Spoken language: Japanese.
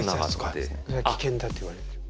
それ危険だって言われる。